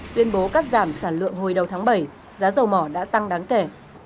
tuyên bố cắt giảm sản lượng hồi đầu tháng bảy giá dầu mỏ đã tăng đáng kể